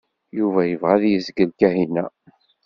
Yuba yebɣa ad yezgel Kahina.